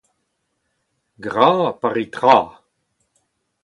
gra pa ri tra !